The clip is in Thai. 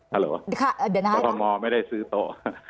ฮัลโหลของหมอไม่ได้ซื้อโต๊ะ